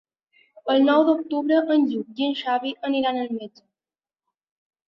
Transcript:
El nou d'octubre en Lluc i en Xavi aniran al metge.